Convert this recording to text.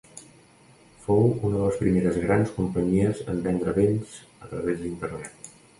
Fou una de les primeres grans companyies en vendre béns a través d'Internet.